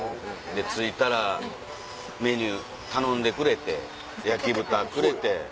で着いたらメニュー頼んでくれて焼き豚くれて。